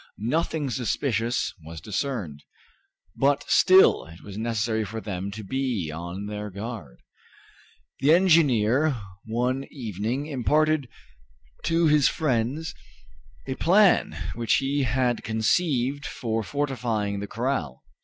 Nothing suspicious was discerned, but still it was necessary for them to be on their guard. The engineer one evening imparted to his friends a plan which he had conceived for fortifying the corral.